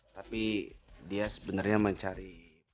tapi dia sebenernya mencari